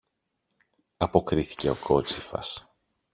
αποκρίθηκε ο κότσυφας.